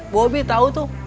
bobi tau tuh